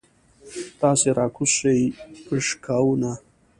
تاسې راکوز شئ پشکاوونه.